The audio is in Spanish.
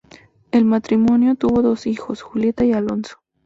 El matrimonio tuvo dos hijos, Julieta y Alonso.